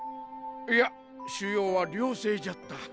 いや腫瘍は良性じゃった。